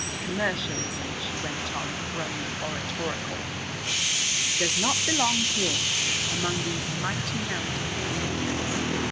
Commercialism," she went on, growing oratorical, "does not belong here among these mighty mountains.